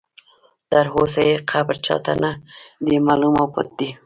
تر اوسه یې قبر چا ته نه دی معلوم او پټ دی.